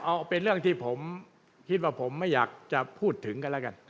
เอาเป็นเรื่องที่ผมคิดว่าผมไม่อยากจะพูดถึงกันแล้วกัน